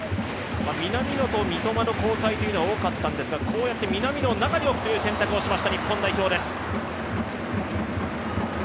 南野と三笘の交代というのは大きかったんですがこうやって南野を中に置くという選択をしました、日本代表です。